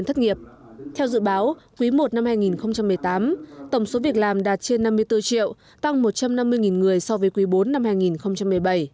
theo dự báo quý i năm hai nghìn một mươi tám tổng số việc làm đạt trên năm mươi bốn triệu tăng một trăm năm mươi người so với quý bốn năm hai nghìn một mươi bảy